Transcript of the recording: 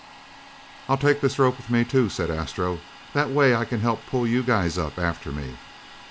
"I'll take this rope with me too," said Astro. "That way I can help pull you guys up after me."